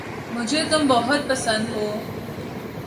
مجھے تم بہت پسند ہو